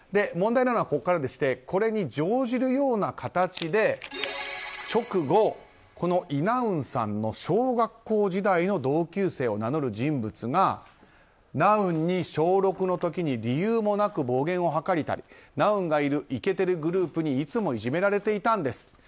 問題なのはここからでしてこれに乗じるような形で直後、イ・ナウンさんの小学校時代の同級生を名乗る人物がナウンに小６の時に理由もなく暴言を吐かれたりナウンがいるイケてるグループにいつもいじめられていたんです。